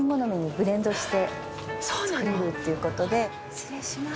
失礼します。